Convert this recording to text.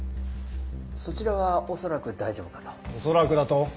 そちらは恐らく大丈夫かと。